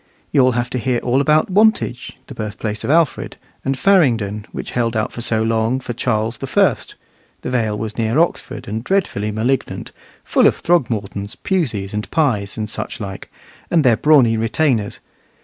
You'll have to hear all about Wantage, the birthplace of Alfred, and Farringdon, which held out so long for Charles the First (the Vale was near Oxford, and dreadfully malignant full of Throgmortons, Puseys, and Pyes, and such like; and their brawny retainers).